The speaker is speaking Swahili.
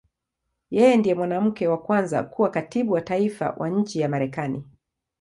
Yeye ndiye mwanamke wa kwanza kuwa Katibu wa Taifa wa nchi ya Marekani.